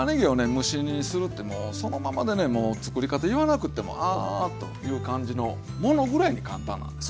蒸し煮にするってもうそのままでねもうつくり方言わなくてもああという感じのものぐらいに簡単なんです。